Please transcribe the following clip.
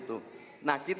itu semestinya seperti itu